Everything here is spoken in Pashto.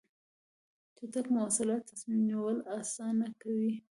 چټک مواصلات تصمیم نیول اسانه کوي.